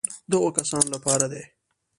د هغو کسانو لپاره دي.